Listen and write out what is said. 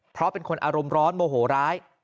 เพราะเป็นคนอารมณ์ร้อนโมโหร้าย